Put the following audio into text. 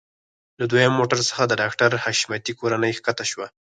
له دويم موټر څخه د ډاکټر حشمتي کورنۍ ښکته شوه.